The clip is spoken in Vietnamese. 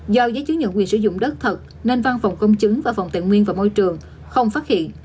do giấy chứng nhận quyền sử dụng đất thật nên văn phòng công chứng và phòng tài nguyên và môi trường không phát hiện